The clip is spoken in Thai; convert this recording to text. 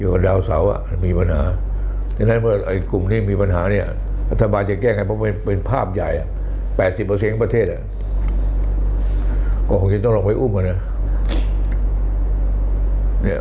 ก้าวของเราใช่ของจิตต้องลองอ้อมอ่ะเนี่ย